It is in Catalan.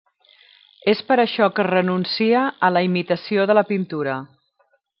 És per això que es renuncia a la imitació de la pintura.